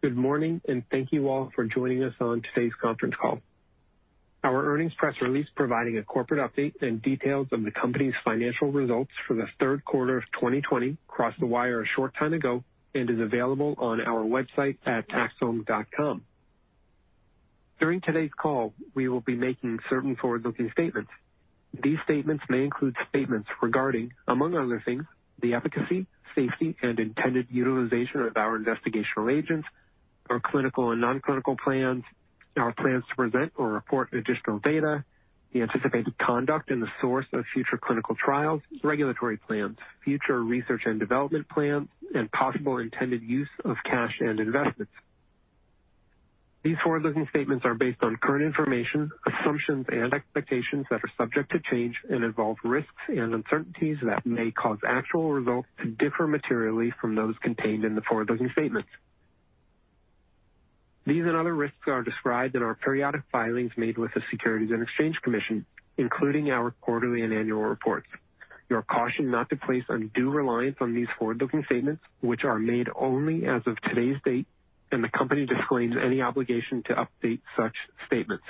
Good morning, and thank you all for joining us on today's conference call. Our earnings press release providing a corporate update and details of the company's financial results for the third quarter of 2020 crossed the wire a short time ago and is available on our website at axsome.com. During today's call, we will be making certain forward-looking statements. These statements may include statements regarding, among other things, the efficacy, safety, and intended utilization of our investigational agents, our clinical and non-clinical plans, our plans to present or report additional data, the anticipated conduct and the source of future clinical trials, regulatory plans, future research and development plans, and possible intended use of cash and investments. These forward-looking statements are based on current information, assumptions, and expectations that are subject to change and involve risks and uncertainties that may cause actual results to differ materially from those contained in the forward-looking statements. These and other risks are described in our periodic filings made with the Securities and Exchange Commission, including our quarterly and annual reports. You are cautioned not to place undue reliance on these forward-looking statements, which are made only as of today's date, and the company disclaims any obligation to update such statements.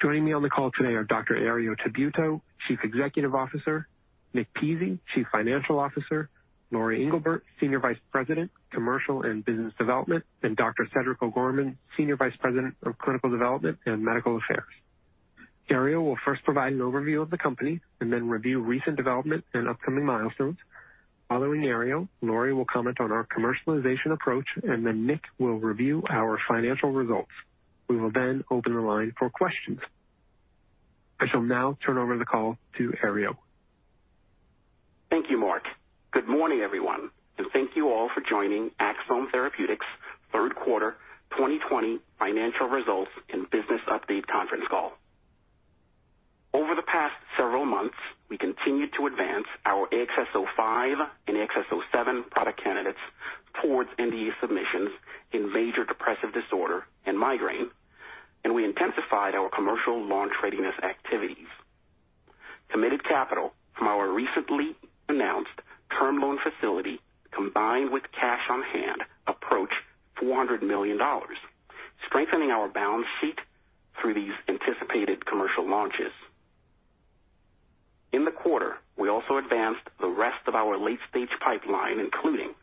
Joining me on the call today are Dr. Herriot Tabuteau, Chief Executive Officer, Nick Pizzie, Chief Financial Officer, Lori Englebert, Senior Vice President, Commercial and Business Development, and Dr. Cedric O'Gorman, Senior Vice President of Clinical Development and Medical Affairs. Herriot will first provide an overview of the company and then review recent development and upcoming milestones. Following Herriot, Lori will comment on our commercialization approach, and then Nick will review our financial results. We will open the line for questions. I shall now turn over the call to Herriot. Thank you, Mark. Good morning, everyone. Thank you all for joining Axsome Therapeutics' third quarter 2020 financial results and business update conference call. Over the past several months, we continued to advance our AXS-05 and AXS-07 product candidates towards NDA submissions in major depressive disorder and migraine, we intensified our commercial launch readiness activities. Committed capital from our recently announced term loan facility, combined with cash on hand, approached $400 million, strengthening our balance sheet through these anticipated commercial launches. In the quarter, we also advanced the rest of our late-stage pipeline, including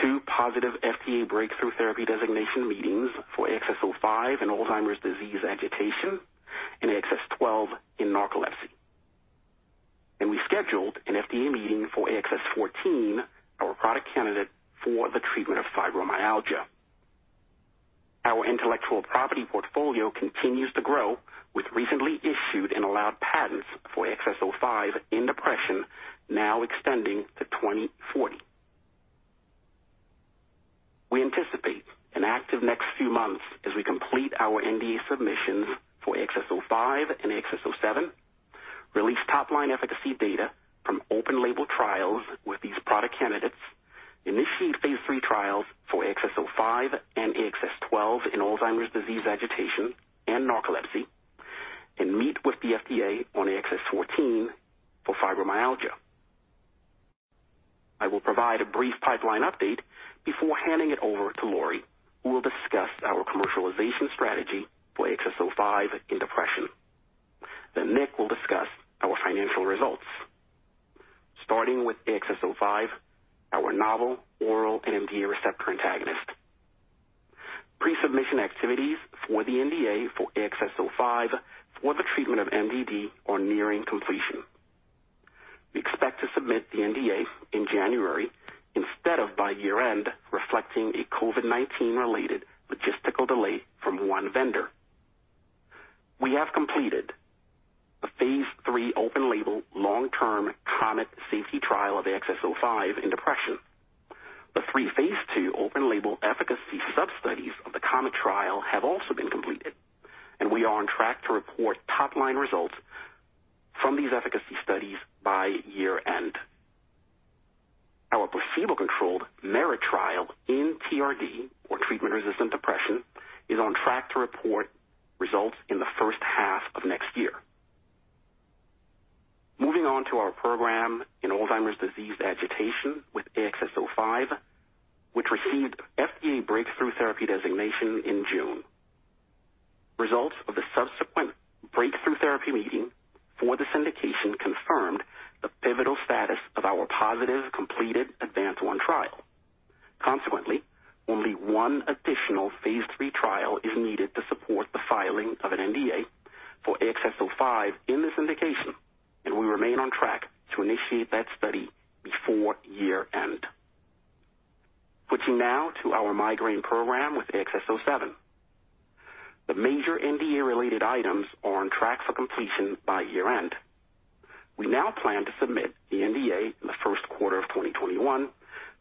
two positive FDA Breakthrough Therapy designation meetings for AXS-05 in Alzheimer's disease agitation and AXS-12 in narcolepsy. We scheduled an FDA meeting for AXS-14, our product candidate for the treatment of fibromyalgia. Our intellectual property portfolio continues to grow with recently issued and allowed patents for AXS-05 in depression now extending to 2040. We anticipate an active next few months as we complete our NDA submissions for AXS-05 and AXS-07, release top-line efficacy data from open-label trials with these product candidates, initiate phase III trials for AXS-05 and AXS-12 in Alzheimer's disease agitation and narcolepsy, and meet with the FDA on AXS-14 for fibromyalgia. I will provide a brief pipeline update before handing it over to Lori, who will discuss our commercialization strategy for AXS-05 in depression. Nick will discuss our financial results. Starting with AXS-05, our novel oral NMDA receptor antagonist. Pre-submission activities for the NDA for AXS-05 for the treatment of MDD are nearing completion. We expect to submit the NDA in January instead of by year-end, reflecting a COVID-19-related logistical delay from one vendor. We have completed the phase III open-label long-term COMET safety trial of AXS-05 in depression. The three phase II open-label efficacy sub-studies of the COMET trial have also been completed, and we are on track to report top-line results from these efficacy studies by year-end. Our placebo-controlled MERIT trial in TRD or treatment-resistant depression is on track to report results in the first half of next year. Moving on to our program in Alzheimer's disease agitation with AXS-05, which received FDA Breakthrough Therapy designation in June. Results of the subsequent Breakthrough Therapy meeting for this indication confirmed the pivotal status of our positive completed ADVANCE-1 Trial. Consequently, only one additional phase III trial is needed to support the filing of an NDA for AXS-05 in this indication, and we remain on track to initiate that study before year-end. Switching now to our migraine program with AXS-07. The major NDA related items are on track for completion by year-end. We now plan to submit the NDA in the first quarter of 2021,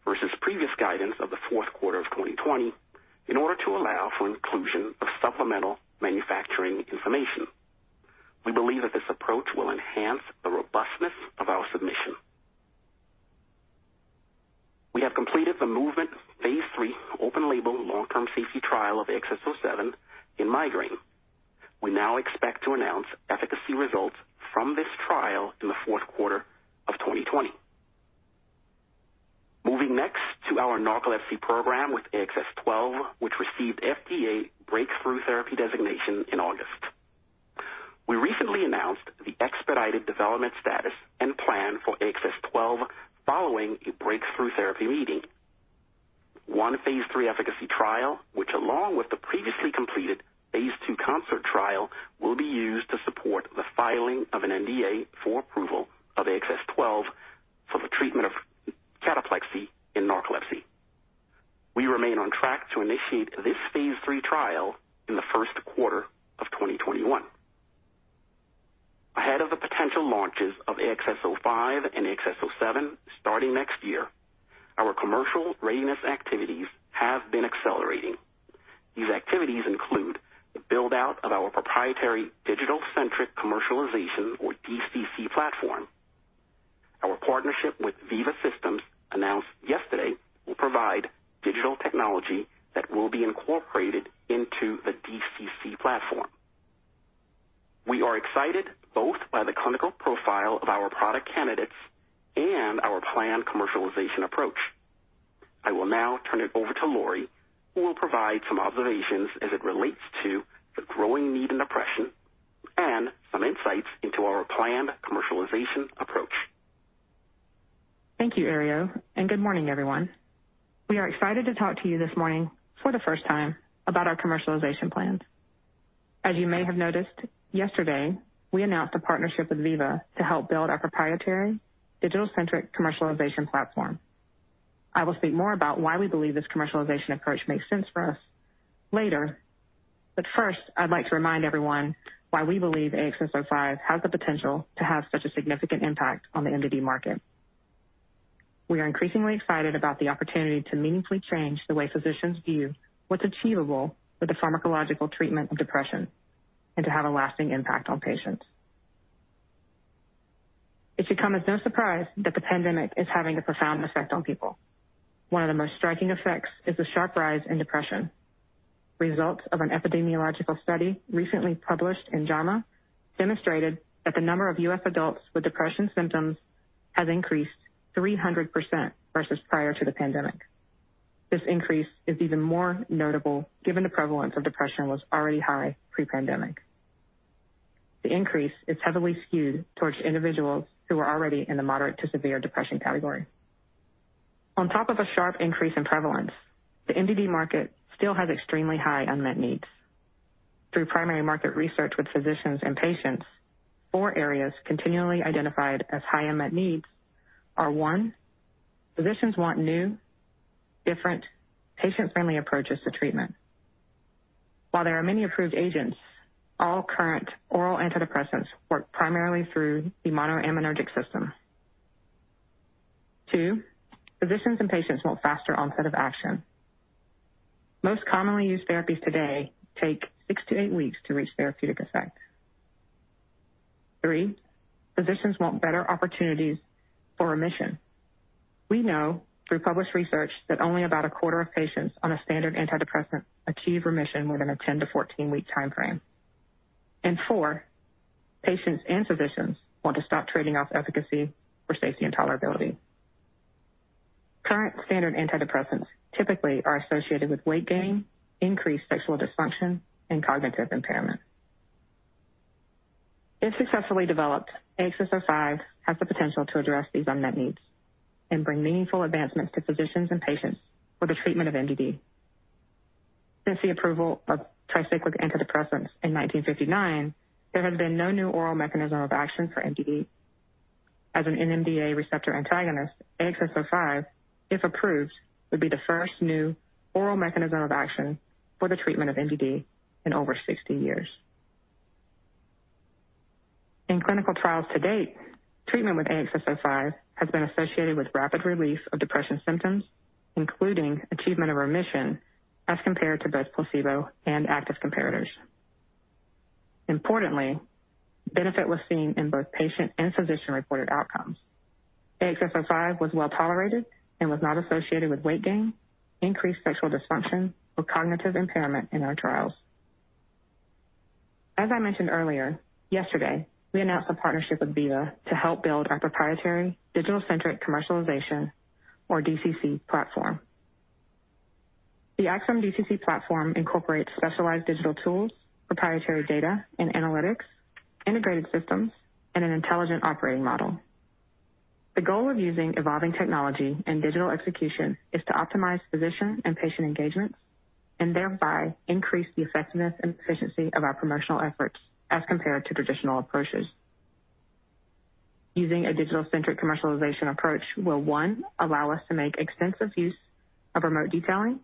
versus previous guidance of the fourth quarter of 2020 in order to allow for inclusion of supplemental manufacturing information. We believe that this approach will enhance the robustness of our submission. We have completed the MOVEMENT Phase III open-label long-term safety trial of AXS-07 in migraine. We now expect to announce efficacy results from this trial in the fourth quarter of 2020. Moving next to our narcolepsy program with AXS-12, which received FDA Breakthrough Therapy Designation in August. We recently announced the expedited development status and plan for AXS-12 following a breakthrough therapy meeting. One Phase III efficacy trial, which along with the previously completed Phase II CONCERT trial, will be used to support the filing of an NDA for approval of AXS-12 for the treatment of cataplexy in narcolepsy. We remain on track to initiate this phase III trial in the first quarter of 2021. Ahead of the potential launches of AXS-05 and AXS-07 starting next year, our commercial readiness activities have been accelerating. These activities include the build-out of our proprietary Digital-Centric Commercialization, or DCC platform. Our partnership with Veeva Systems, announced yesterday, will provide digital technology that will be incorporated into the DCC platform. We are excited both by the clinical profile of our product candidates and our planned commercialization approach. I will now turn it over to Lori, who will provide some observations as it relates to the growing need in depression and some insights into our planned commercialization approach. Thank you, Herriot. Good morning, everyone. We are excited to talk to you this morning for the first time about our commercialization plans. As you may have noticed, yesterday, we announced a partnership with Veeva to help build our proprietary Digital-Centric Commercialization platform. I will speak more about why we believe this commercialization approach makes sense for us later. First, I'd like to remind everyone why we believe AXS-05 has the potential to have such a significant impact on the MDD market. We are increasingly excited about the opportunity to meaningfully change the way physicians view what's achievable with the pharmacological treatment of depression and to have a lasting impact on patients. It should come as no surprise that the pandemic is having a profound effect on people. One of the most striking effects is the sharp rise in depression. Results of an epidemiological study recently published in JAMA demonstrated that the number of U.S. adults with depression symptoms has increased 300% versus prior to the pandemic. This increase is even more notable given the prevalence of depression was already high pre-pandemic. The increase is heavily skewed towards individuals who were already in the moderate to severe depression category. On top of a sharp increase in prevalence, the MDD market still has extremely high unmet needs. Through primary market research with physicians and patients, four areas continually identified as high unmet needs are one, physicians want new, different, patient-friendly approaches to treatment. While there are many approved agents, all current oral antidepressants work primarily through the monoaminergic system. Two, physicians and patients want a faster onset of action. Most commonly used therapies today take six to eight weeks to reach therapeutic effect. Three, physicians want better opportunities for remission. We know through published research that only about a quarter of patients on a standard antidepressant achieve remission within a 10-14-week time frame. Four, patients and physicians want to stop trading off efficacy for safety and tolerability. Current standard antidepressants typically are associated with weight gain, increased sexual dysfunction, and cognitive impairment. If successfully developed, AXS-05 has the potential to address these unmet needs and bring meaningful advancements to physicians and patients for the treatment of MDD. Since the approval of tricyclic antidepressants in 1959, there has been no new oral mechanism of action for MDD. As an NMDA receptor antagonist, AXS-05, if approved, would be the first new oral mechanism of action for the treatment of MDD in over 60 years. In clinical trials to date, treatment with AXS-05 has been associated with rapid relief of depression symptoms, including achievement of remission as compared to both placebo and active comparators. Importantly, benefit was seen in both patient and physician-reported outcomes. AXS-05 was well-tolerated and was not associated with weight gain, increased sexual dysfunction, or cognitive impairment in our trials. As I mentioned earlier, yesterday, we announced a partnership with Veeva to help build our proprietary Digital-Centric Commercialization, or DCC platform. The Axsome DCC platform incorporates specialized digital tools, proprietary data and analytics, integrated systems, and an intelligent operating model. The goal of using evolving technology and digital execution is to optimize physician and patient engagements, and thereby increase the effectiveness and efficiency of our promotional efforts as compared to traditional approaches. Using a Digital-Centric Commercialization approach will, one, allow us to make extensive use of remote detailing,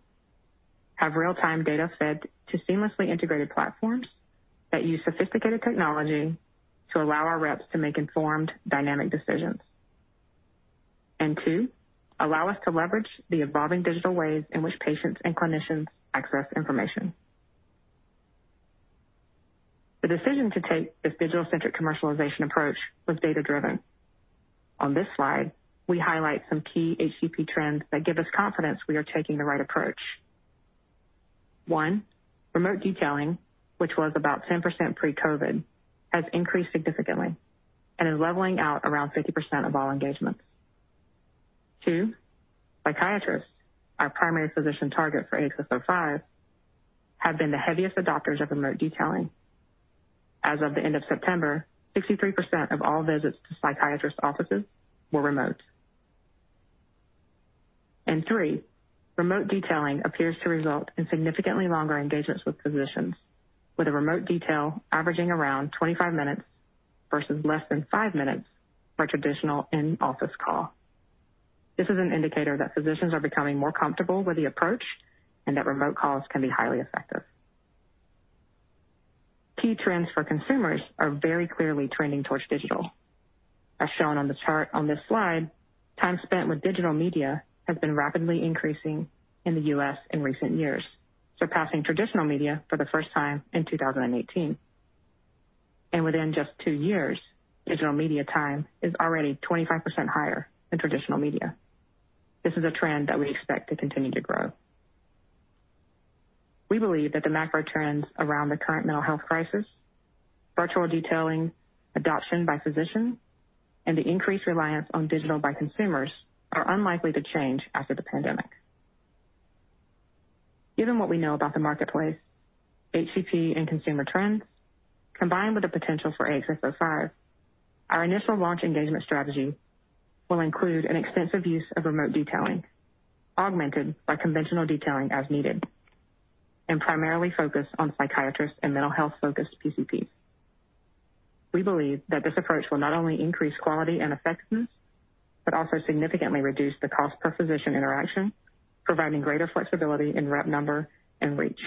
have real-time data fed to seamlessly integrated platforms that use sophisticated technology to allow our reps to make informed, dynamic decisions. Two, allow us to leverage the evolving digital ways in which patients and clinicians access information. The decision to take this Digital-Centric Commercialization approach was data-driven. On this slide, we highlight some key HCP trends that give us confidence we are taking the right approach. One, remote detailing, which was about 10% pre-COVID, has increased significantly and is leveling out around 50% of all engagements. Two psychiatrists, our primary physician target for AXS-05, have been the heaviest adopters of remote detailing. As of the end of September, 63% of all visits to psychiatrist offices were remote. Three, remote detailing appears to result in significantly longer engagements with physicians, with a remote detail averaging around 25 minutes versus less than five minutes for a traditional in-office call. This is an indicator that physicians are becoming more comfortable with the approach and that remote calls can be highly effective. Key trends for consumers are very clearly trending towards digital. As shown on the chart on this slide, time spent with digital media has been rapidly increasing in the U.S. in recent years, surpassing traditional media for the first time in 2018. Within just two years, digital media time is already 25% higher than traditional media. This is a trend that we expect to continue to grow. We believe that the macro trends around the current mental health crisis, virtual detailing, adoption by physicians, and the increased reliance on digital by consumers are unlikely to change after the pandemic. Given what we know about the marketplace, HCP and consumer trends, combined with the potential for AXS-05, our initial launch engagement strategy will include an extensive use of remote detailing, augmented by conventional detailing as needed, and primarily focus on psychiatrists and mental health-focused PCPs. We believe that this approach will not only increase quality and effectiveness, but also significantly reduce the cost per physician interaction, providing greater flexibility in rep number and reach.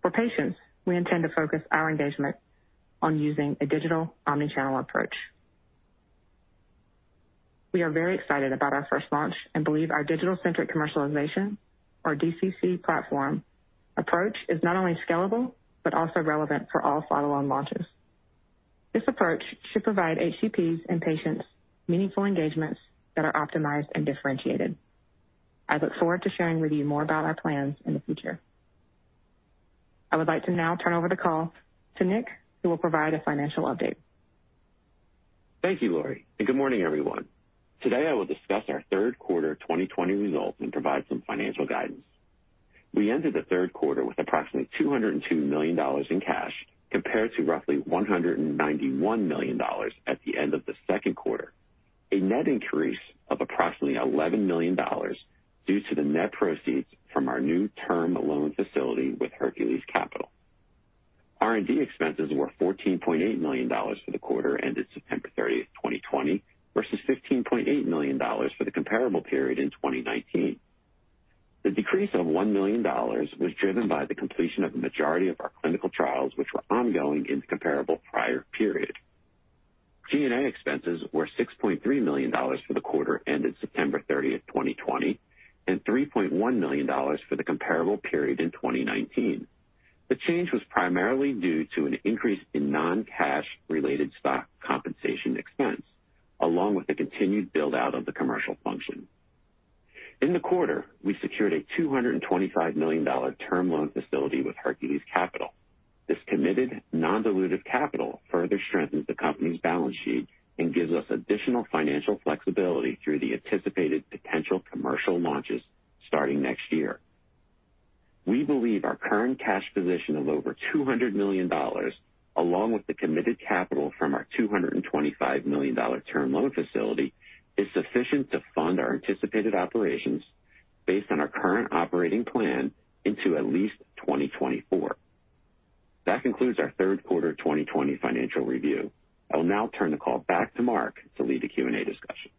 For patients, we intend to focus our engagement on using a digital omnichannel approach. We are very excited about our first launch and believe our Digital-Centric Commercialization, or DCC platform approach is not only scalable, but also relevant for all follow-on launches. This approach should provide HCPs and patients meaningful engagements that are optimized and differentiated. I look forward to sharing with you more about our plans in the future. I would like to now turn over the call to Nick, who will provide a financial update. Thank you, Lori, and good morning, everyone. Today, I will discuss our third quarter 2020 results and provide some financial guidance. We ended the third quarter with approximately $202 million in cash, compared to roughly $191 million at the end of the second quarter. A net increase of approximately $11 million due to the net proceeds from our new term loan facility with Hercules Capital. R&D expenses were $14.8 million for the quarter ended September 30, 2020, versus $15.8 million for the comparable period in 2019. The decrease of $1 million was driven by the completion of the majority of our clinical trials, which were ongoing in the comparable prior period. G&A expenses were $6.3 million for the quarter ended September 30, 2020, and $3.1 million for the comparable period in 2019. The change was primarily due to an increase in non-cash related stock compensation expense, along with the continued build-out of the commercial function. In the quarter, we secured a $225 million term loan facility with Hercules Capital. This committed non-dilutive capital further strengthens the company's balance sheet and gives us additional financial flexibility through the anticipated potential commercial launches starting next year. We believe our current cash position of over $200 million, along with the committed capital from our $225 million term loan facility, is sufficient to fund our anticipated operations based on our current operating plan into at least 2024. That concludes our third quarter 2020 financial review. I will now turn the call back to Mark to lead the Q&A discussion.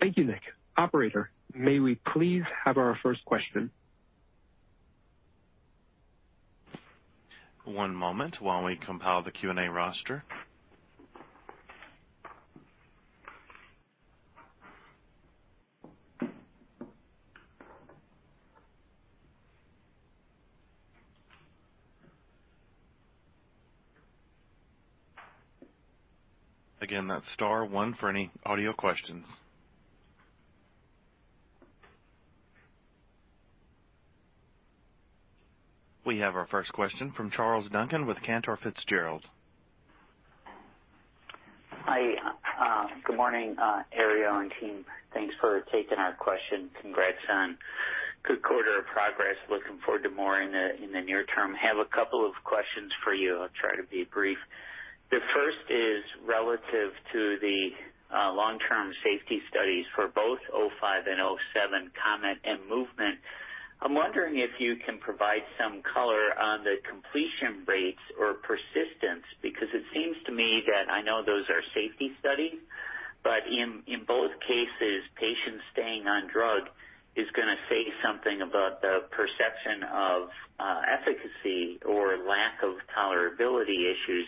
Thank you, Nick. Operator, may we please have our first question? One moment while we compile the Q&A roster. Again, that is star one for any audio questions. We have our first question from Charles Duncan with Cantor Fitzgerald. Hi, good morning, Herriot, and team. Thanks for taking our question. Congrats on a good quarter of progress. Looking forward to more in the near term. Have a couple of questions for you. I'll try to be brief. The first is relative to the long-term safety studies for both AXS-05 and AXS-07, COMET and MOVEMENT. I'm wondering if you can provide some color on the completion rates or persistence, because it seems to me that I know those are safety studies, but in both cases, patients staying on drug is going to say something about the perception of efficacy or lack of tolerability issues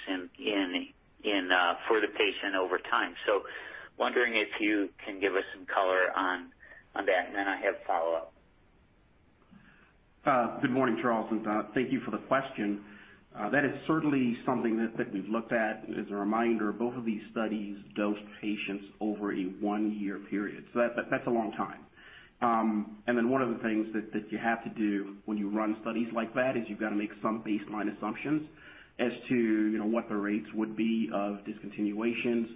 for the patient over time. Wondering if you can give us some color on that, and then I have follow-up. Good morning, Charles. Thank you for the question. That is certainly something that we've looked at. As a reminder, both of these studies dosed patients over a one-year period. That's a long time. One of the things that you have to do when you run studies like that is you've got to make some baseline assumptions as to what the rates would be of discontinuations.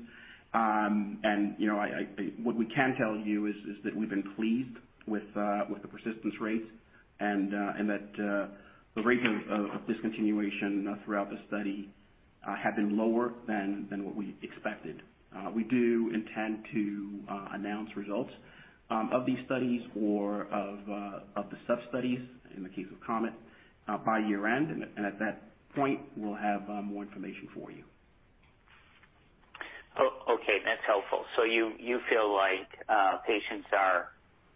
What we can tell you is that we've been pleased with the persistence rates and that the rate of discontinuation throughout the study had been lower than what we expected. We do intend to announce results of these studies or of the sub-studies, in the case of COMET, by year-end, and at that point, we'll have more information for you. Okay. That's helpful. You feel like patients are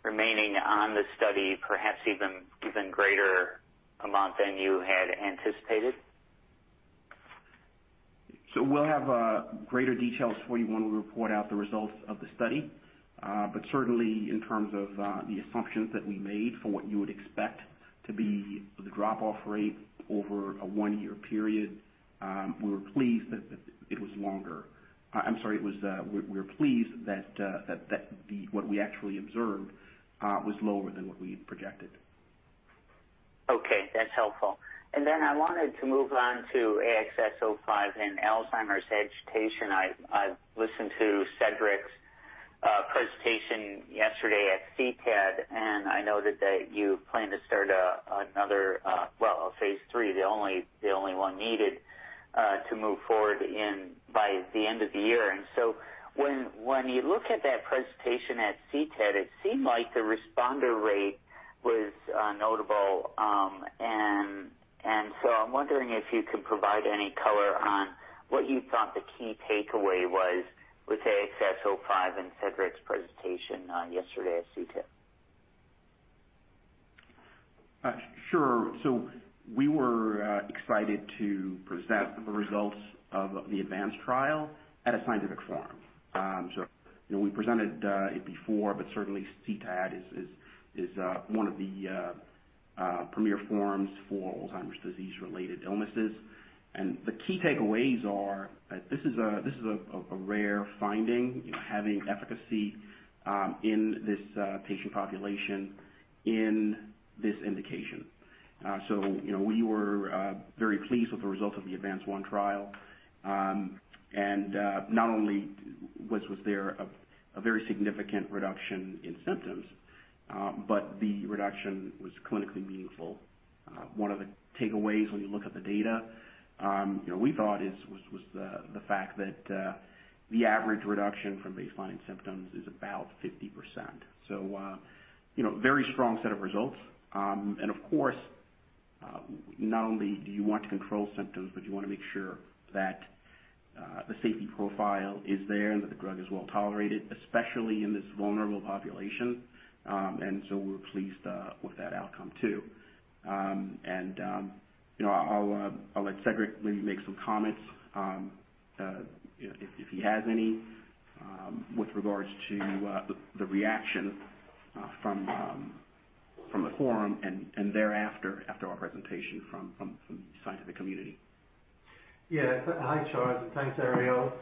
remaining on the study, perhaps even greater amount than you had anticipated? We'll have greater details for you when we report out the results of the study. Certainly, in terms of the assumptions that we made for what you would expect to be the drop-off rate over a one-year period, we were pleased that it was longer. I'm sorry, we were pleased that what we actually observed was lower than what we had projected. Okay, that's helpful. I wanted to move on to AXS-05 and Alzheimer's agitation. I listened to Cedric's presentation yesterday at CTAD, and I noted that you plan to start another phase III, the only one needed, to move forward by the end of the year. When you look at that presentation at CTAD, it seemed like the responder rate was notable. I'm wondering if you could provide any color on what you thought the key takeaway was with AXS-05 in Cedric's presentation yesterday at CTAD. Sure. We were excited to present the results of the ADVANCE trial at a scientific forum. We presented it before, but certainly CTAD is one of the premier forums for Alzheimer's disease-related illnesses. The key takeaways are that this is a rare finding, having efficacy in this patient population in this indication. We were very pleased with the result of the ADVANCE-1 trial. Not only was there a very significant reduction in symptoms, but the reduction was clinically meaningful. One of the takeaways when you look at the data, we thought, was the fact that the average reduction from baseline symptoms is about 50%. A very strong set of results. Of course, not only do you want to control symptoms, but you want to make sure that the safety profile is there and that the drug is well-tolerated, especially in this vulnerable population. So we were pleased with that outcome, too. I'll let Cedric maybe make some comments, if he has any, with regards to the reaction from the forum and thereafter, after our presentation, from the scientific community. Hi, Charles, and thanks, Herriot.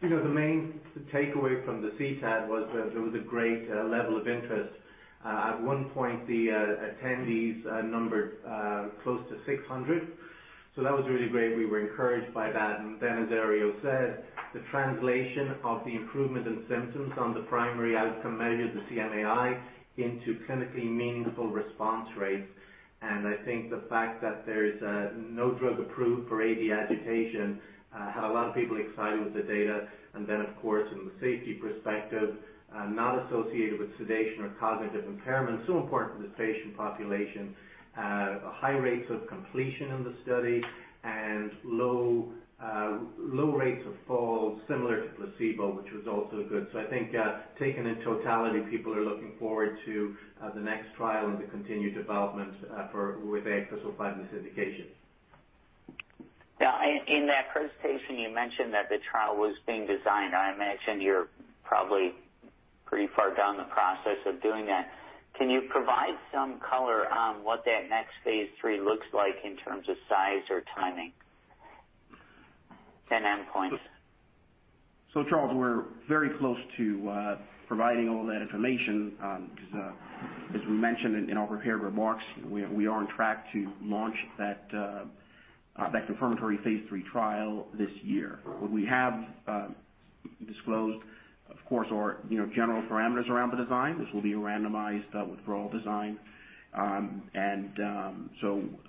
The main takeaway from the CTAD was that there was a great level of interest. At one point, the attendees numbered close to 600. That was really great. We were encouraged by that. As Herriot said, the translation of the improvement in symptoms on the primary outcome measure, the CMAI, into clinically meaningful response rates. I think the fact that there's no drug approved for AD agitation had a lot of people excited with the data. Of course, from the safety perspective, not associated with sedation or cognitive impairment, so important for this patient population. High rates of completion of the study and low rates of falls similar to placebo, which was also good. I think, taken in totality, people are looking forward to the next trial and the continued development with AXS-05 in this indication. In that presentation, you mentioned that the trial was being designed. I imagine you're probably pretty far down the process of doing that. Can you provide some color on what that next phase III looks like in terms of size or timing and endpoints? Charles, we're very close to providing all that information. As we mentioned in our prepared remarks, we are on track to launch that confirmatory phase III trial this year. What we have disclosed, of course, are general parameters around the design. This will be a randomized withdrawal design.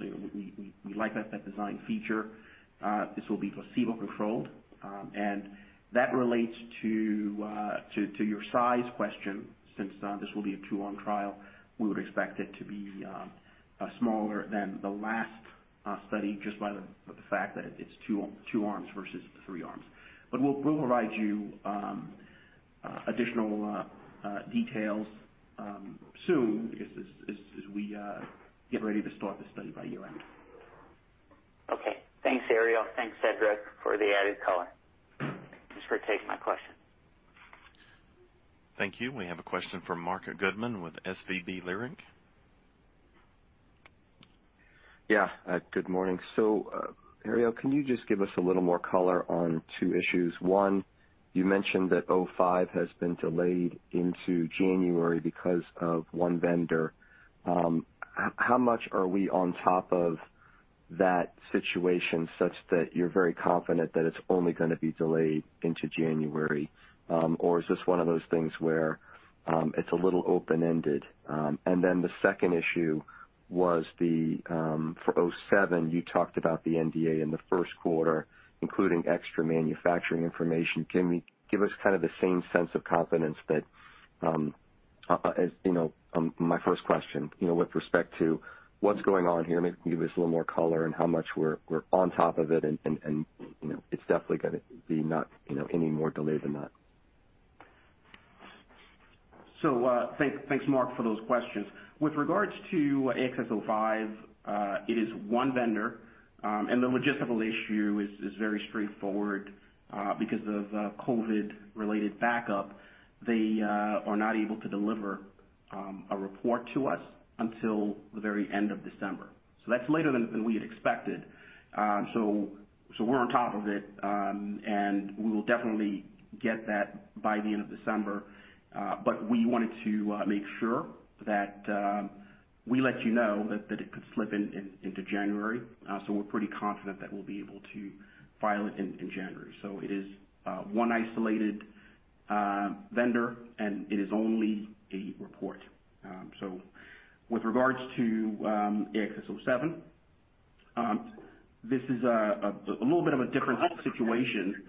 We like that design feature. This will be placebo-controlled, and that relates to your size question, since this will be a two-arm trial. We would expect it to be smaller than the last study, just by the fact that it's two arms versus three arms. We'll provide you additional details soon as we get ready to start the study by year-end. Thanks, Herriot. Thanks, Cedric, for the added color. Thanks for taking my question. Thank you. We have a question from Marc Goodman with SVB Leerink. Good morning. Herriot, can you just give us a little more color on two issues? One, you mentioned that AXS-05 has been delayed into January because of one vendor. How much are we on top of that situation, such that you're very confident that it's only going to be delayed into January? Is this one of those things where it's a little open-ended? The second issue was for AXS-07, you talked about the NDA in the first quarter, including extra manufacturing information. Can you give us the same sense of confidence that, as you know, my first question with respect to what's going on here, maybe you can give us a little more color on how much we're on top of it, and it's definitely going to be not any more delayed than that. Thanks, Marc, for those questions. With regards to AXS-05, it is one vendor. The logistical issue is very straightforward. Because of COVID-related backup, they are not able to deliver a report to us until the very end of December. That's later than we had expected. We're on top of it. We will definitely get that by the end of December. We wanted to make sure that we let you know that it could slip into January. We're pretty confident that we'll be able to file it in January. It is one isolated vendor, and it is only a report. With regards to AXS-07, this is a little bit of a different situation.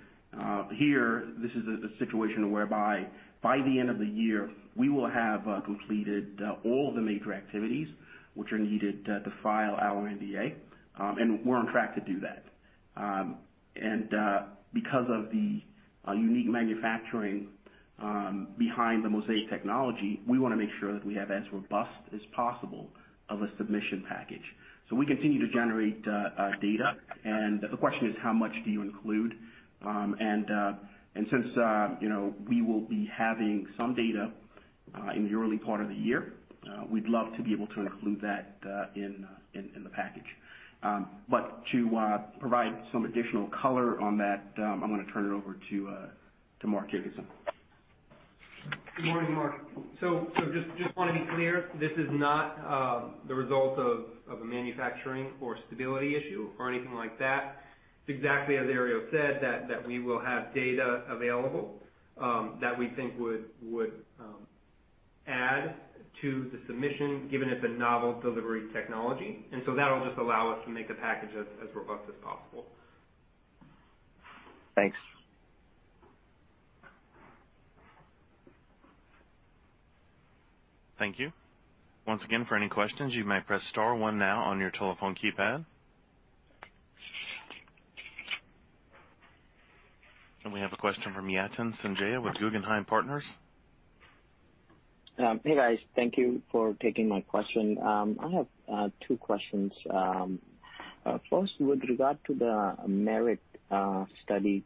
Here, this is a situation whereby by the end of the year, we will have completed all the major activities which are needed to file our NDA, and we're on track to do that. Because of the unique manufacturing behind the MoSEIC technology, we want to make sure that we have as robust as possible of a submission package. We continue to generate data. The question is how much do you include? Since we will be having some data in the early part of the year, we'd love to be able to include that in the package. To provide some additional color on that, I'm going to turn it over to Mark Jacobson. Good morning, Marc. Just want to be clear, this is not the result of a manufacturing or stability issue or anything like that. It's exactly as Herriot said that we will have data available that we think would add to the submission, given it's a novel delivery technology. That'll just allow us to make the package as robust as possible. Thanks. Thank you. Once again, for any questions, you may press star one now on your telephone keypad. We have a question from Yatin Suneja with Guggenheim Partners. Hey, guys. Thank you for taking my question. I have two questions. First, with regard to the MERIT study,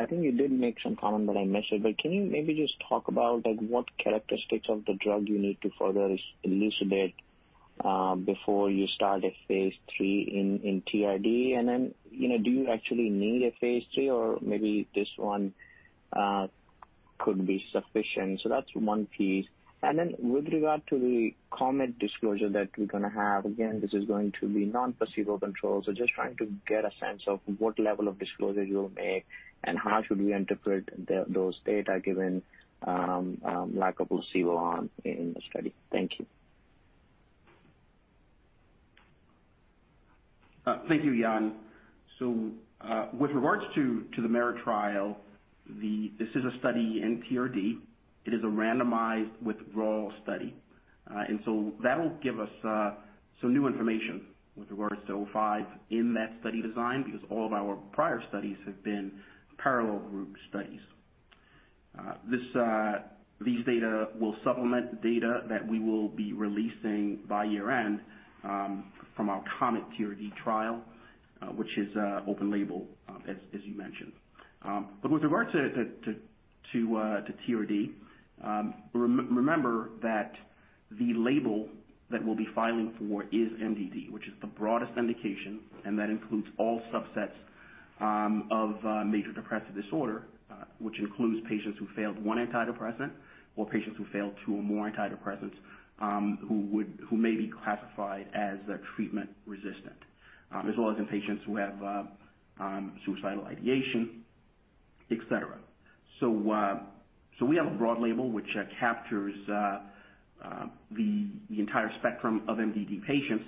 I think you did make some comment that I missed. Can you maybe just talk about what characteristics of the drug you need to further elucidate before you start a phase III in TRD? Do you actually need a phase III or maybe this one could be sufficient? That's one piece. With regard to the COMET disclosure that we're going to have, again, this is going to be non-placebo-controlled. Just trying to get a sense of what level of disclosure you'll make and how should we interpret those data given lack of placebo arm in the study. Thank you. Thank you, Yatin. With regards to the MERIT trial, this is a study in TRD. It is a randomized withdrawal study. That'll give us some new information with regards to AXS-05 in that study design, because all of our prior studies have been parallel group studies. These data will supplement the data that we will be releasing by year-end from our COMET TRD trial, which is open-label as you mentioned. With regards to TRD, remember that the label that we'll be filing for is MDD, which is the broadest indication, and that includes all subsets of major depressive disorder, which includes patients who failed one antidepressant or patients who failed two or more antidepressants who may be classified as treatment-resistant. As well as in patients who have suicidal ideation, et cetera. We have a broad label, which captures the entire spectrum of MDD patients.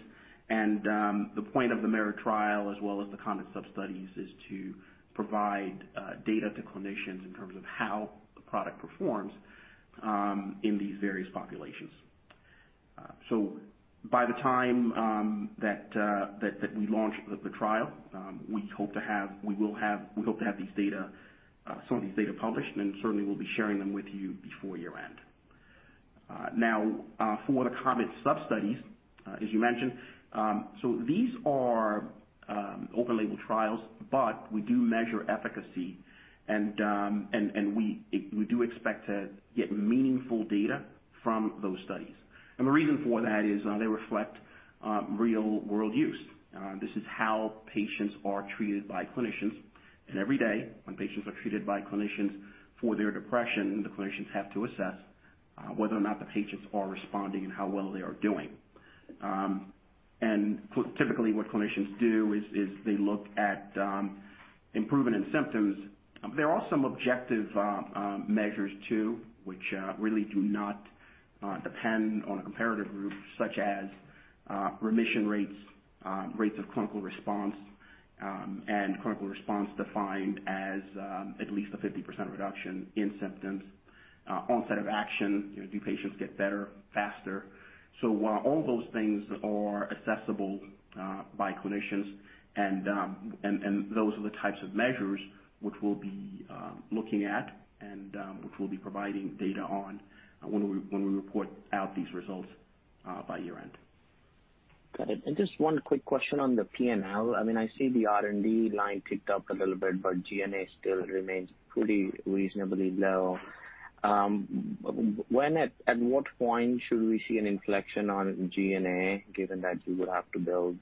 The point of the MERIT trial, as well as the COMET sub-studies, is to provide data to clinicians in terms of how the product performs in these various populations. By the time that we launch the trial, we hope to have some of these data published, and certainly we'll be sharing them with you before year-end. For the COMET sub-studies, as you mentioned, these are open label trials, but we do measure efficacy, and we do expect to get meaningful data from those studies. The reason for that is they reflect real-world use. This is how patients are treated by clinicians. Every day, when patients are treated by clinicians for their depression, the clinicians have to assess whether or not the patients are responding and how well they are doing. Typically, what clinicians do is they look at improvement in symptoms. There are some objective measures too, which really do not depend on a comparative group, such as remission rates of clinical response, and clinical response defined as at least a 50% reduction in symptoms. Onset of action, do patients get better faster? All those things are accessible by clinicians, and those are the types of measures which we'll be looking at and which we'll be providing data on when we report out these results by year-end. Got it. Just one quick question on the P&L. I see the R&D line ticked up a little bit, but G&A still remains pretty reasonably low. At what point should we see an inflection on G&A, given that you would have to build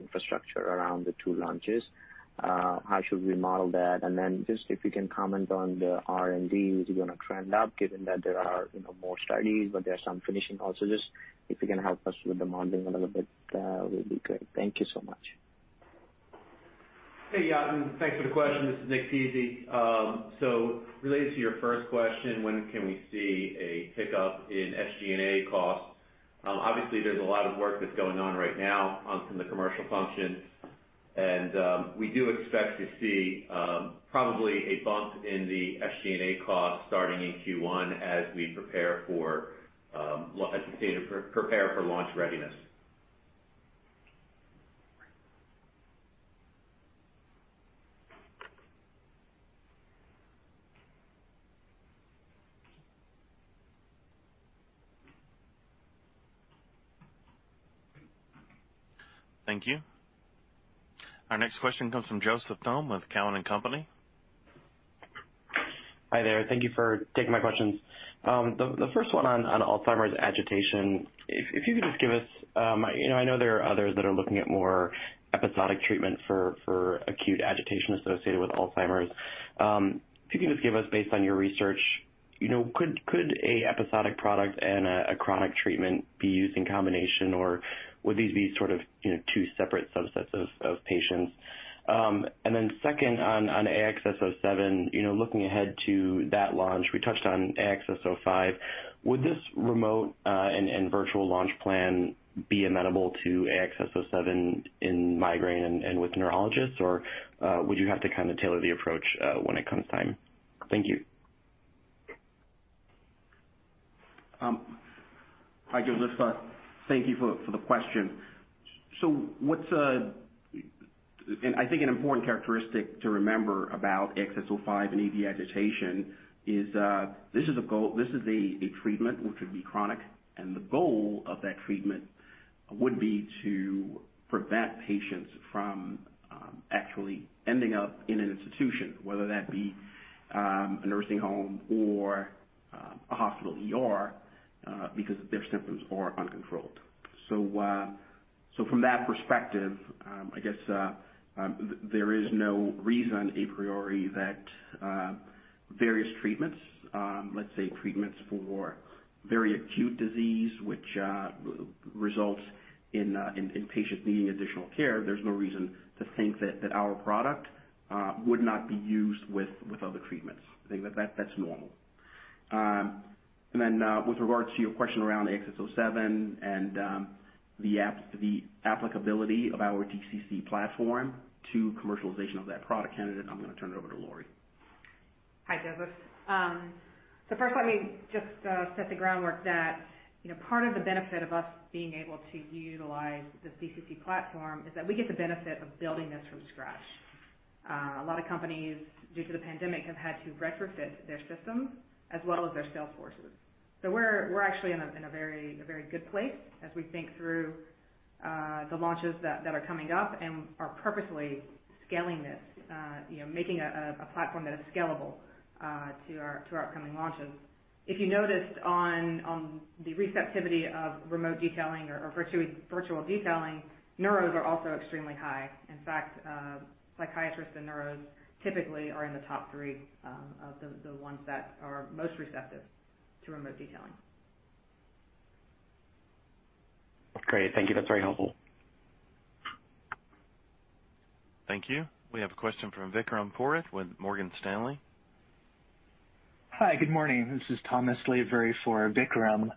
infrastructure around the two launches? How should we model that? Just if you can comment on the R&D, is it going to trend up given that there are more studies, but there are some finishing also? Just if you can help us with the modeling a little bit, that will be great. Thank you so much. Hey, Yatin. Thanks for the question. This is Nick Pizzie. Related to your first question, when can we see a hiccup in SG&A costs? Obviously, there's a lot of work that's going on right now from the commercial function, and we do expect to see probably a bump in the SG&A cost starting in Q1 as we prepare for launch readiness. Thank you. Our next question comes from Joseph Thome with Cowen and Company. Hi there. Thank you for taking my questions. The first one on Alzheimer's agitation. I know there are others that are looking at more episodic treatment for acute agitation associated with Alzheimer's. If you could just give us, based on your research, could a episodic product and a chronic treatment be used in combination, or would these be two separate subsets of patients? Second, on AXS-07, looking ahead to that launch, we touched on AXS-05. Would this remote and virtual launch plan be amenable to AXS-07 in migraine and with neurologists, or would you have to tailor the approach when it comes time? Thank you. Hi, Joseph. Thank you for the question. I think an important characteristic to remember about AXS-05 and AD agitation is this is a treatment which could be chronic, and the goal of that treatment would be to prevent patients from actually ending up in an institution, whether that be a nursing home or a hospital ER, because their symptoms are uncontrolled. From that perspective, I guess there is no reason a priori that various treatments, let's say treatments for very acute disease, which results in patients needing additional care, there's no reason to think that our product would not be used with other treatments. I think that that's normal. With regards to your question around AXS-07 and the applicability of our DCC platform to commercialization of that product candidate, I'm going to turn it over to Lori. Hi, Joseph. First, let me just set the groundwork that part of the benefit of us being able to utilize the DCC platform is that we get the benefit of building this from scratch. A lot of companies, due to the pandemic, have had to retrofit their system as well as their sales forces. We're actually in a very good place as we think through the launches that are coming up and are purposefully scaling this, making a platform that is scalable to our upcoming launches. If you noticed on the receptivity of remote detailing or virtual detailing, neuros are also extremely high. In fact, psychiatrists and neuros typically are in the top three of the ones that are most receptive to remote detailing. Great. Thank you. That's very helpful. Thank you. We have a question from Vikram Purohit with Morgan Stanley. Hi, good morning. This is Thomas Lee on for Vikram.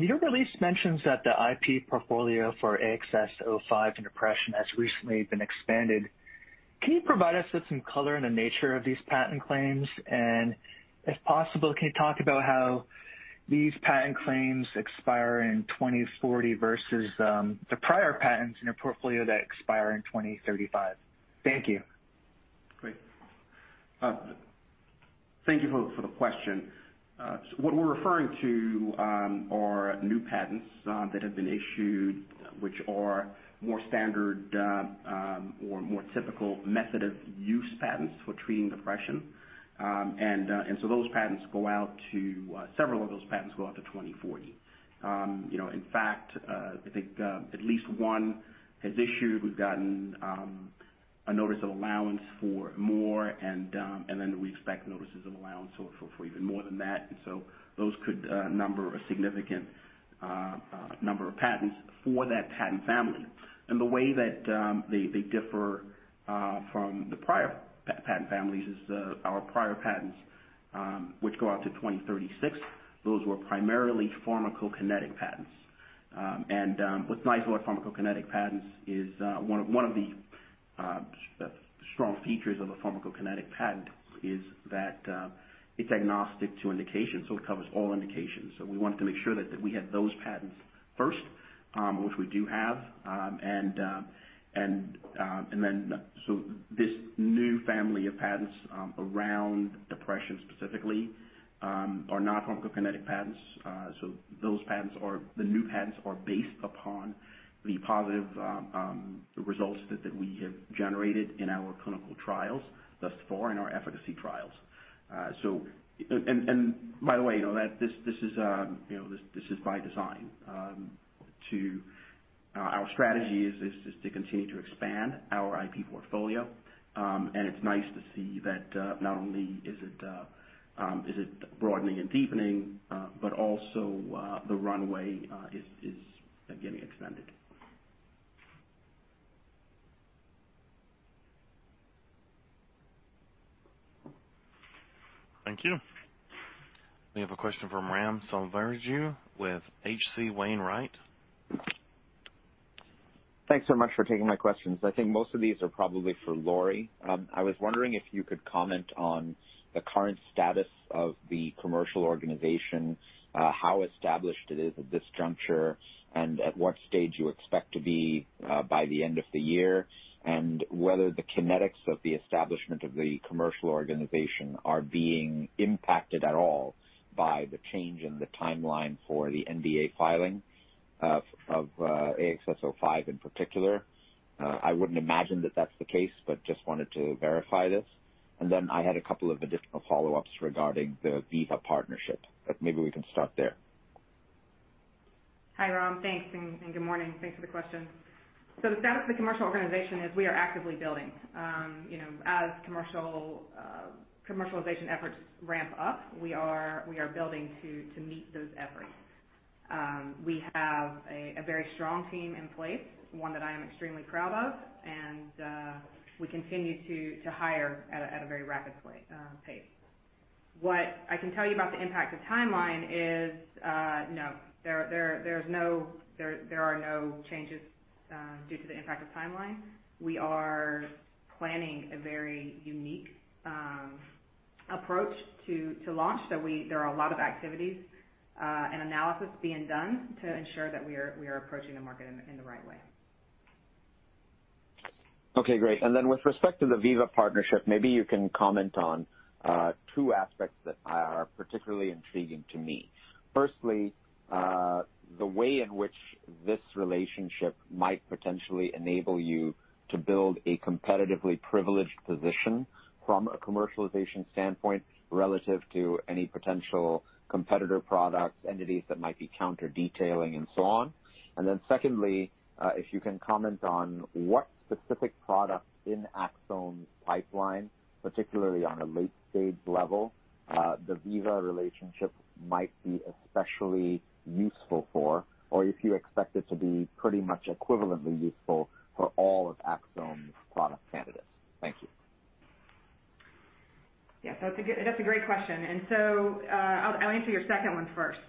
Your release mentions that the IP portfolio for AXS-05 in depression has recently been expanded. Can you provide us with some color on the nature of these patent claims? If possible, can you talk about how these patent claims expire in 2040 versus the prior patents in your portfolio that expire in 2035? Thank you. Great. Thank you for the question. What we're referring to are new patents that have been issued, which are more standard or more typical method of use patents for treating depression. Several of those patents go out to 2040. In fact, I think at least one has issued. We've gotten a notice of allowance for more, and then we expect notices of allowance for even more than that. Those could number a significant number of patents for that patent family. The way that they differ from the prior patent families is our prior patents, which go out to 2036, those were primarily pharmacokinetic patents. What's nice about pharmacokinetic patents is one of the strong features of a pharmacokinetic patent is that it's agnostic to indications. It covers all indications. We wanted to make sure that we had those patents first, which we do have. This new family of patents around depression specifically are not pharmacokinetic patents. The new patents are based upon the positive results that we have generated in our clinical trials thus far in our efficacy trials. By the way, this is by design. Our strategy is to continue to expand our IP portfolio. It's nice to see that not only is it broadening and deepening, but also the runway is getting extended. Thank you. We have a question from Ram Selvaraju with H.C. Wainwright. Thanks so much for taking my questions. I think most of these are probably for Lori. I was wondering if you could comment on the current status of the commercial organization, how established it is at this juncture, and at what stage you expect to be by the end of the year, and whether the kinetics of the establishment of the commercial organization are being impacted at all by the change in the timeline for the NDA filing of AXS-05 in particular. I wouldn't imagine that that's the case, but just wanted to verify this. I had a couple of additional follow-ups regarding the Veeva partnership. Maybe we can start there. Hi, Ram. Thanks, and good morning. Thanks for the question. The status of the commercial organization is we are actively building. As commercialization efforts ramp up, we are building to meet those efforts. We have a very strong team in place, one that I am extremely proud of, and we continue to hire at a very rapid pace. What I can tell you about the impact of timeline is, no. There are no changes due to the impact of timeline. We are planning a very unique approach to launch. There are a lot of activities and analysis being done to ensure that we are approaching the market in the right way. Okay, great. With respect to the Veeva partnership, maybe you can comment on two aspects that are particularly intriguing to me. Firstly, the way in which this relationship might potentially enable you to build a competitively privileged position from a commercialization standpoint relative to any potential competitor products, entities that might be counter-detailing and so on. Secondly, if you can comment on what specific products in Axsome's pipeline, particularly on a late-stage level the Veeva relationship might be especially useful for, or if you expect it to be pretty much equivalently useful for all of Axsome's product candidates. Thank you. Yeah. That's a great question. I'll answer your second one first.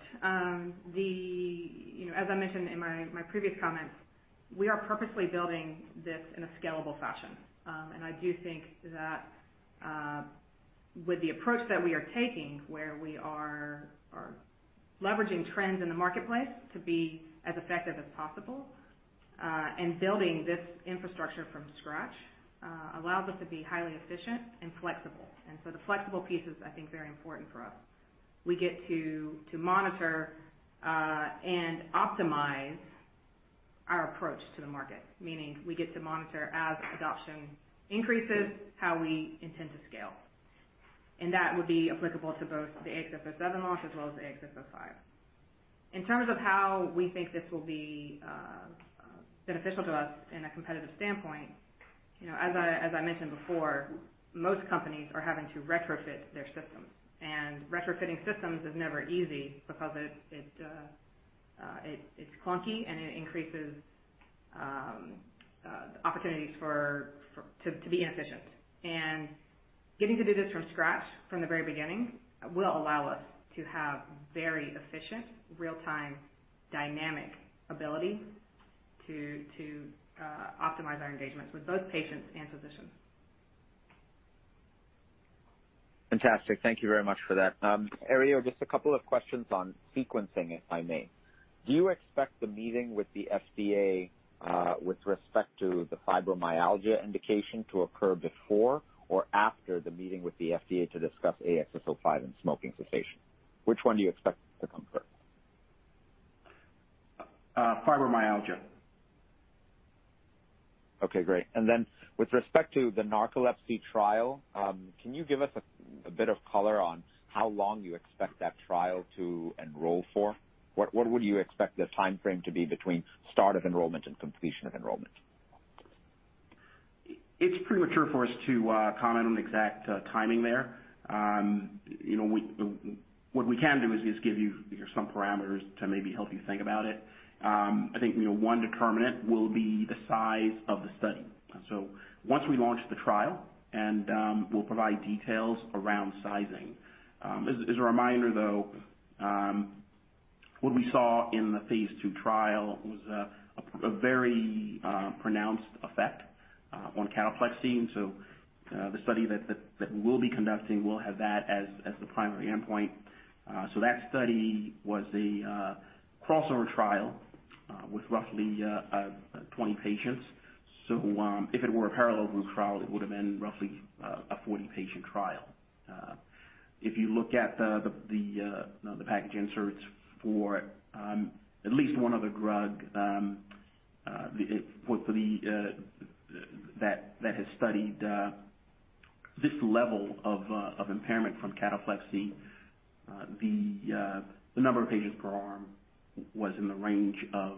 As I mentioned in my previous comments, we are purposely building this in a scalable fashion. I do think that with the approach that we are taking, where we are leveraging trends in the marketplace to be as effective as possible, and building this infrastructure from scratch allows us to be highly efficient and flexible. The flexible piece is, I think, very important for us. We get to monitor and optimize our approach to the market, meaning we get to monitor as adoption increases, how we intend to scale. That would be applicable to both the AXS-07 launch as well as the AXS-05. In terms of how we think this will be beneficial to us in a competitive standpoint, as I mentioned before, most companies are having to retrofit their systems. Retrofitting systems is never easy because it's clunky and it increases opportunities to be inefficient. Getting to do this from scratch from the very beginning will allow us to have very efficient, real-time dynamic ability to optimize our engagements with both patients and physicians. Fantastic. Thank you very much for that. Herriot, just a couple of questions on sequencing, if I may. Do you expect the meeting with the FDA, with respect to the fibromyalgia indication to occur before or after the meeting with the FDA to discuss AXS-05 and smoking cessation? Which one do you expect to come first? Fibromyalgia. Okay, great. With respect to the narcolepsy trial, can you give us a bit of color on how long you expect that trial to enroll for? What would you expect the timeframe to be between start of enrollment and completion of enrollment? It's premature for us to comment on exact timing there. What we can do is just give you some parameters to maybe help you think about it. I think one determinant will be the size of the study. Once we launch the trial and we'll provide details around sizing. As a reminder though, what we saw in the phase II trial was a very pronounced effect on cataplexy. The study that we'll be conducting will have that as the primary endpoint. That study was a crossover trial with roughly 20 patients. If it were a parallel group trial, it would've been roughly a 40-patient trial. If you look at the package inserts for at least one other drug that has studied this level of impairment from cataplexy, the number of patients per arm was in the range of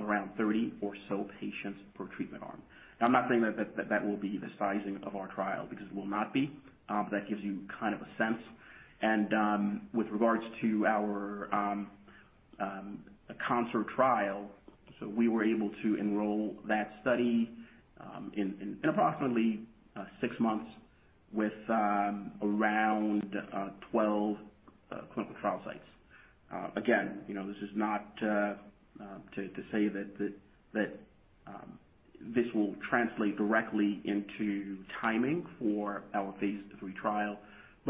around 30 or so patients per treatment arm. Now, I'm not saying that will be the sizing of our trial because it will not be. That gives you kind of a sense. With regards to our CONCERT trial, we were able to enroll that study in approximately six months with around 12 clinical trial sites. Again, this is not to say that this will translate directly into timing for our phase III trial,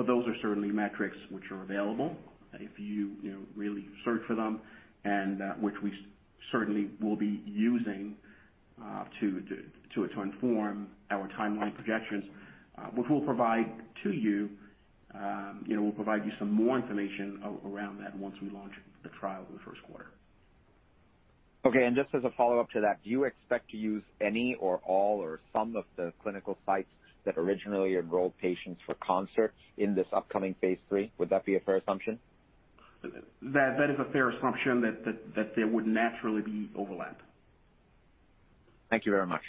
those are certainly metrics which are available if you really search for them, and which we certainly will be using to inform our timeline projections, which we'll provide to you. We'll provide you some more information around that once we launch the trial in the first quarter. Okay, just as a follow-up to that, do you expect to use any or all or some of the clinical sites that originally enrolled patients for CONCERT in this upcoming phase III? Would that be a fair assumption? That is a fair assumption that there would naturally be overlap. Thank you very much.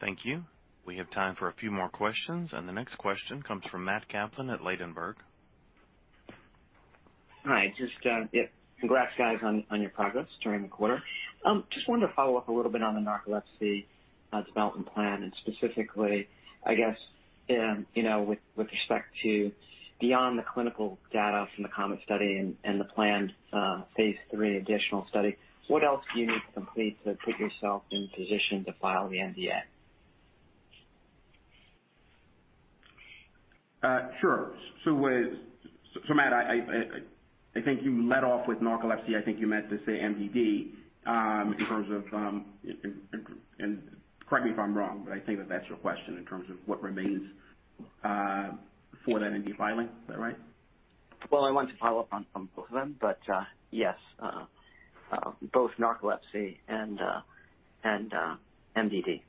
Thank you. We have time for a few more questions. The next question comes from Matt Kaplan at Ladenburg. Hi. Just congrats guys on your progress during the quarter. Just wanted to follow up a little bit on the narcolepsy development plan, and specifically, I guess, with respect to beyond the clinical data from the COMET study and the planned phase III additional study, what else do you need to complete to put yourself in position to file the NDA? Sure. Matt, I think you led off with narcolepsy. I think you meant to say MDD, in terms of, and correct me if I'm wrong, but I think that's your question in terms of what remains for that MDD filing. Is that right? I wanted to follow up on both of them, but, yes. Both narcolepsy and MDD.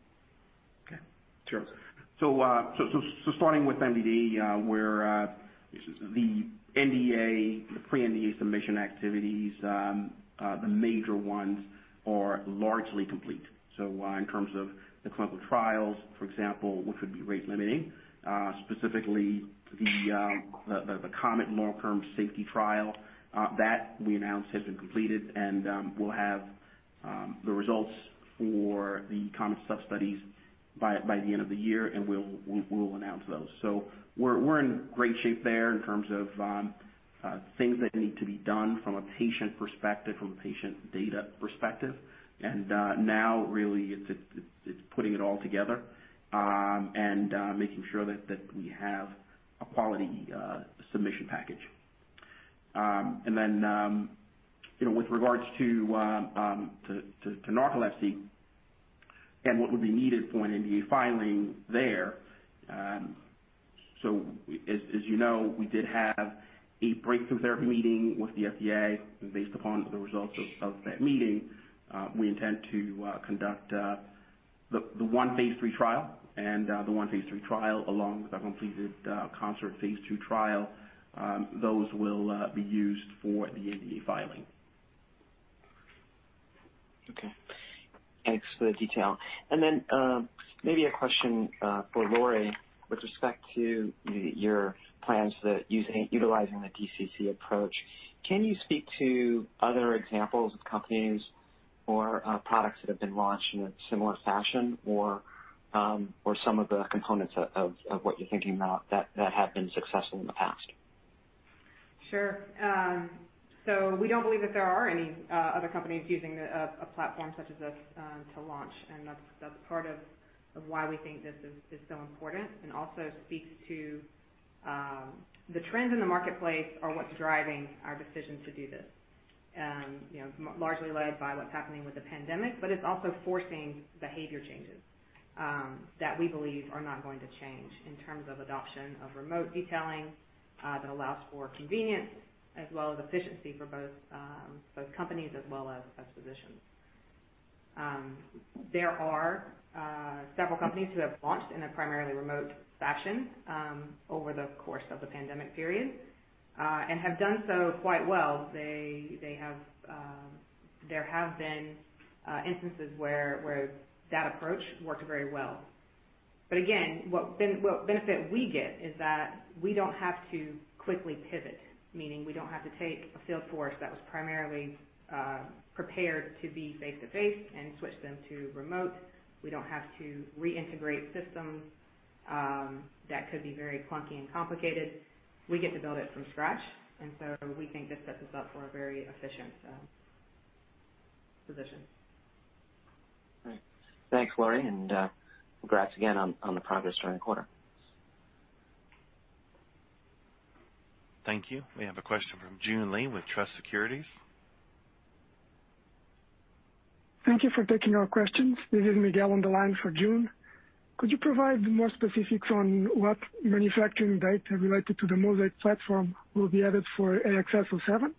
Okay, sure. Starting with MDD, where the NDA, the pre-NDA submission activities, the major ones are largely complete. In terms of the clinical trials, for example, which would be rate-limiting. Specifically, the COMET long-term safety trial, that we announced has been completed. We'll have the results for the COMET sub-studies by the end of the year, and we'll announce those. We're in great shape there in terms of things that need to be done from a patient perspective, from a patient data perspective. Now, really it's putting it all together and making sure that we have a quality submission package. With regards to narcolepsy and what would be needed for an NDA filing there. As you know, we did have a Breakthrough Therapy meeting with the FDA. Based upon the results of that meeting, we intend to conduct the one phase III trial and the one phase III trial along with our completed CONCERT phase II trial. Those will be used for the NDA filing. Okay. Thanks for the detail. Maybe a question for Lori. With respect to your plans for utilizing the DCC approach, can you speak to other examples of companies or products that have been launched in a similar fashion or some of the components of what you're thinking about that have been successful in the past? We don't believe that there are any other companies using a platform such as this to launch. That's part of why we think this is so important and also speaks to the trends in the marketplace are what's driving our decision to do this. Largely led by what's happening with the pandemic, but it's also forcing behavior changes that we believe are not going to change in terms of adoption of remote detailing that allows for convenience as well as efficiency for both companies as well as physicians. There are several companies who have launched in a primarily remote fashion over the course of the pandemic period and have done so quite well. There have been instances where that approach worked very well. Again, what benefit we get is that we don't have to quickly pivot, meaning we don't have to take a field force that was primarily prepared to be face-to-face and switch them to remote. We don't have to reintegrate systems that could be very clunky and complicated. We get to build it from scratch. We think this sets us up for a very efficient position. Great. Thanks, Lori. Congrats again on the progress during the quarter. Thank you. We have a question from Joon Lee with Truist Securities. Thank you for taking our questions. This is Miguel on the line for Joon. Could you provide more specifics on what manufacturing data related to the MoSEIC platform will be added for AXS-07?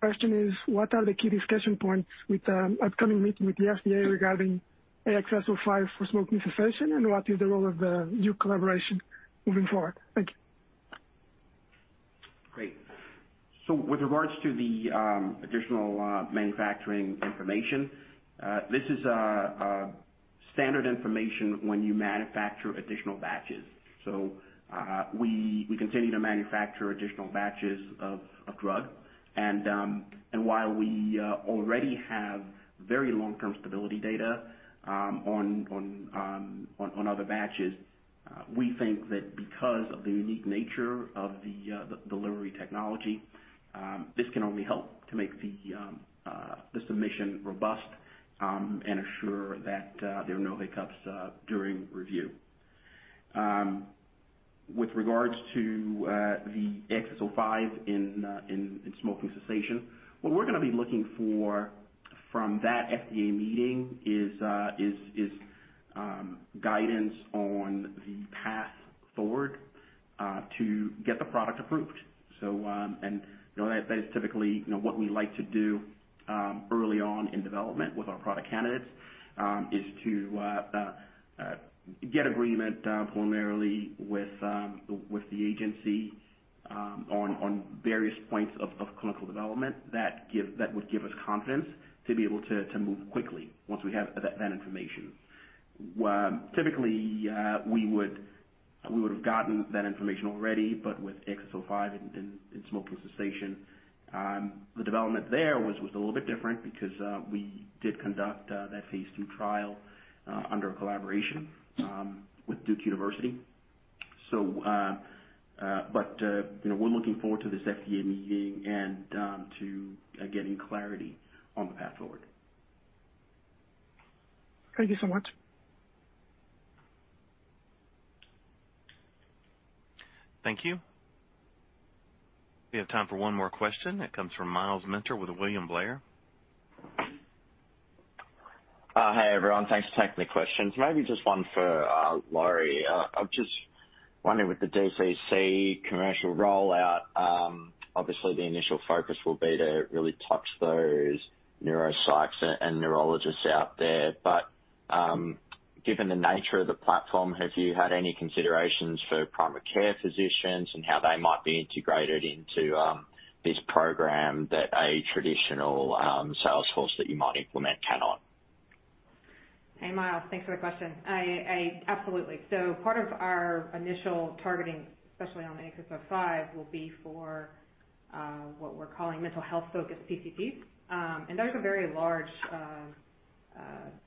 Question is what are the key discussion points with the upcoming meeting with the FDA regarding AXS-05 for smoking cessation, and what is the role of the new collaboration moving forward? Thank you. Great. With regards to the additional manufacturing information, this is standard information when you manufacture additional batches. We continue to manufacture additional batches of drug. While we already have very long-term stability data on other batches, we think that because of the unique nature of the delivery technology, this can only help to make the submission robust and assure that there are no hiccups during review. With regards to the AXS-05 in smoking cessation, what we're going to be looking for from that FDA meeting is guidance on the path forward to get the product approved. That is typically what we like to do early on in development with our product candidates, is to get agreement preliminarily with the agency on various points of clinical development that would give us confidence to be able to move quickly once we have that information. Typically, we would have gotten that information already, but with AXS-05 in smoking cessation, the development there was a little bit different because we did conduct that phase II trial under a collaboration with Duke University. We're looking forward to this FDA meeting and to getting clarity on the path forward. Thank you so much. Thank you. We have time for one more question. It comes from Myles Minter with William Blair. Hi, everyone. Thanks for taking the questions. Maybe just one for Lori. I'm just wondering with the DCC commercial rollout, obviously, the initial focus will be to really touch those neuro psychs and neurologists out there. Given the nature of the platform, have you had any considerations for primary care physicians and how they might be integrated into this program that a traditional sales force that you might implement cannot? Hey, Myles. Thanks for the question. Absolutely. Part of our initial targeting, especially on AXS-05, will be for what we're calling mental health-focused PCPs. There's a very large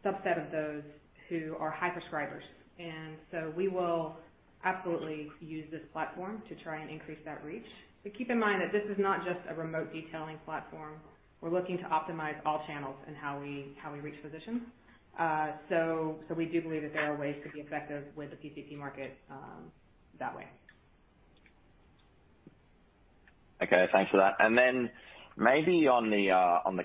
subset of those who are high prescribers. We will absolutely use this platform to try and increase that reach. Keep in mind that this is not just a remote detailing platform. We're looking to optimize all channels and how we reach physicians. We do believe that there are ways to be effective with the PCP market that way. Okay. Thanks for that. Then maybe on the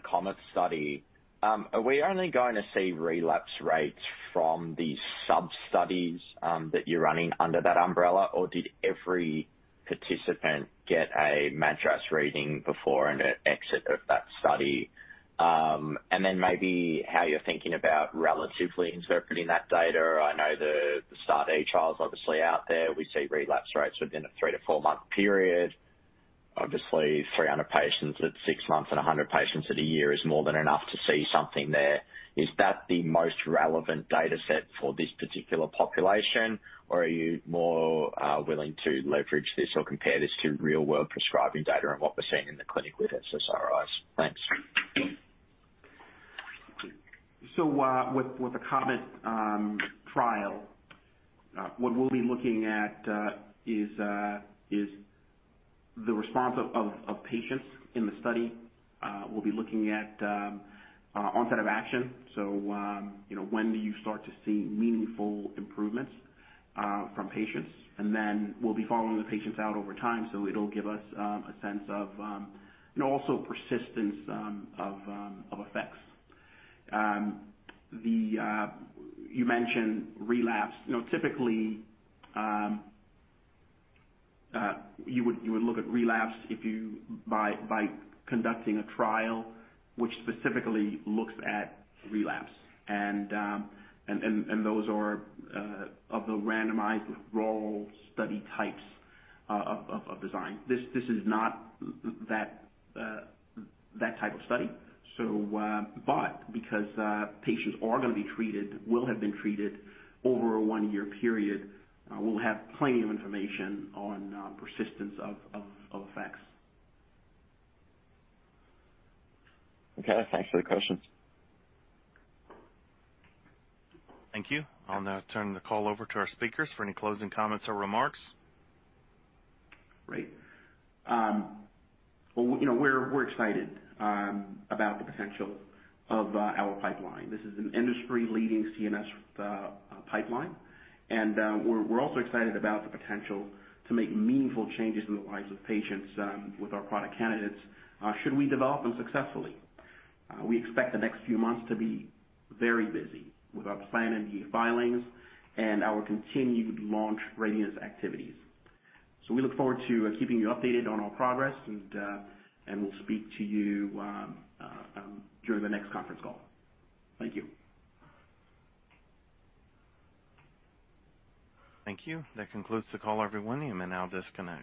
COMET study, are we only going to see relapse rates from the sub-studies that you're running under that umbrella, or did every participant get a MADRS reading before and at exit of that study? Then maybe how you're thinking about relatively interpreting that data. I know the STAR*D trial's obviously out there. We see relapse rates within a three to four-month period. Obviously, 300 patients at six months and 100 patients at a year is more than enough to see something there. Is that the most relevant data set for this particular population, or are you more willing to leverage this or compare this to real-world prescribing data and what we're seeing in the clinic with SSRIs? Thanks. With the COMET trial, what we'll be looking at is the response of patients in the study. We'll be looking at onset of action. When do you start to see meaningful improvements from patients? Then we'll be following the patients out over time, so it'll give us a sense of also persistence of effects. You mentioned relapse. Typically, you would look at relapse by conducting a trial which specifically looks at relapse. Those are of the randomized withdrawal study types of design. This is not that type of study. Because patients are going to be treated, will have been treated over a one-year period, we'll have plenty of information on persistence of effects. Okay. Thanks for the questions. Thank you. I'll now turn the call over to our speakers for any closing comments or remarks. Great. Well, we're excited about the potential of our pipeline. This is an industry-leading CNS pipeline, and we're also excited about the potential to make meaningful changes in the lives of patients with our product candidates, should we develop them successfully. We expect the next few months to be very busy with our planned NDA filings and our continued launch readiness activities. We look forward to keeping you updated on our progress, and we'll speak to you during the next conference call. Thank you. Thank you. That concludes the call, everyone. You may now disconnect.